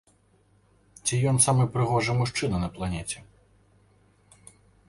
Ці ён самы прыгожы мужчына на планеце?